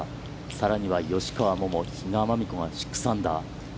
さらには、吉川桃、比嘉真美子が６アンダー。